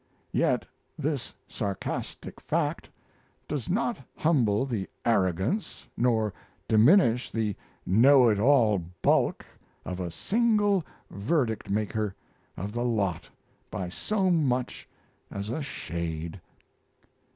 Yet this sarcastic fact does not humble the arrogance nor diminish the know it all bulk of a single verdict maker of the lot by so much as a shade.